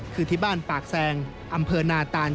คือที่บ้านปากแซงอำเภอนาตาน